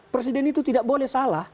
presiden itu tidak boleh salah